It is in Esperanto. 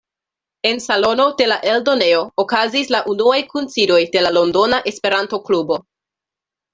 En salono de la eldonejo okazis la unuaj kunsidoj de la Londona Esperanto Klubo.